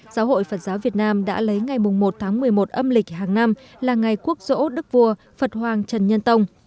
giáo hội phật giáo việt nam đã lấy ngày một tháng một mươi một âm lịch hàng năm là ngày quốc dỗ đức vua phật hoàng trần nhân tông